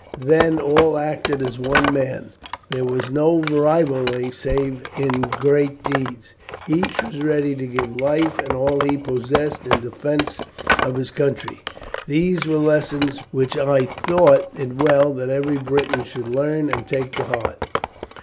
Then all acted as one man; there was no rivalry save in great deeds. Each was ready to give life and all he possessed in defence of his country. These were lessons which I thought it well that every Briton should learn and take to heart.